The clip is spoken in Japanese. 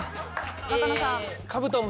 中野さん。